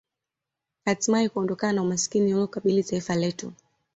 Hatimae kuondokana na umaskini unaolikabili taifa letu